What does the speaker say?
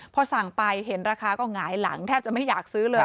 พอสั่งไปเห็นราคาก็หงายหลังแทบจะไม่อยากซื้อเลย